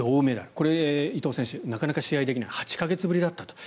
これは伊藤選手なかなか試合できない８か月ぶりだったと。